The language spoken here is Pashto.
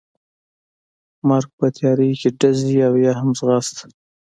مرګ، په تیارې کې ډزې او یا هم ځغاسته.